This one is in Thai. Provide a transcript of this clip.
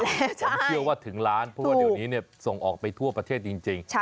ผมเชื่อว่าถึงล้านเพราะว่าเดี๋ยวนี้ส่งออกไปทั่วประเทศจริง